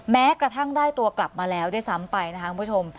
แม้กระทั่งได้ตัวกลับมาแล้วด้วยซ้ำไปนะคะคุณผู้ชม